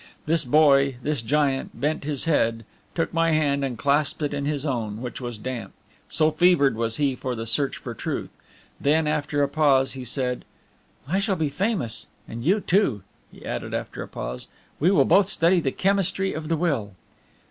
This boy this giant bent his head, took my hand and clasped it in his own, which was damp, so fevered was he for the search for truth; then, after a pause, he said: "I shall be famous! And you, too," he added after a pause. "We will both study the Chemistry of the Will."